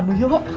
aduh ya kok